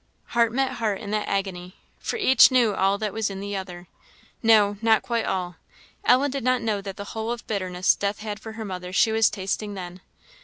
Heart met heart in that agony, for each knew all that was in the other. No not quite all. Ellen did not know that the whole of bitterness death had for her mother she was tasting then.